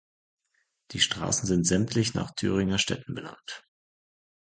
Die Straßen sind sämtlich nach Thüringer Städten benannt.